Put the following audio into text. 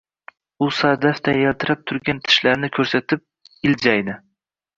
U sadafday yaltirab turgan tishlarini ko`rsatib, iljaydi